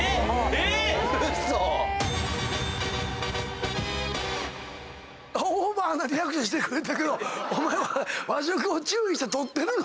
えっ⁉オーバーなリアクションしてくれてたけど和食を注意して取ってるの？